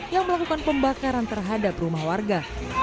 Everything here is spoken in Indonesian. yang melakukan pembakaran terhadap rumah warga